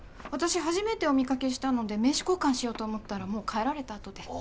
私初めてお見かけしたので名刺交換しようと思ったらもう帰られた後で。